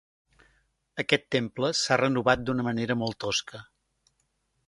Aquest temple s'ha renovat d'una manera molt tosca.